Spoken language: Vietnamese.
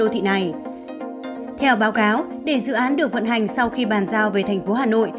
theo báo cáo để dự án được vận hành sau khi bàn giao về tp hà nội